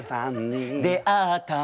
「出会った！」